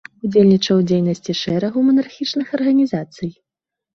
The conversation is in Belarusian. Удзельнічаў у дзейнасці шэрагу манархічных арганізацый.